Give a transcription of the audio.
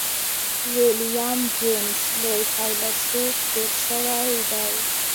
ويليم جېمز لوی فيلسوف تېر شوی دی.